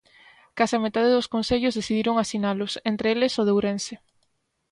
Case a metade dos concellos decidiron asinalos, entre eles o de Ourense.